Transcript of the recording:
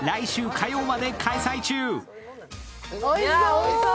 おいしそう。